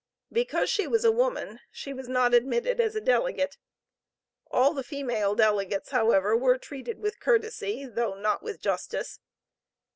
Because she was a woman she was not admitted as a delegate. All the female delegates, however, were treated with courtesy, though not with justice.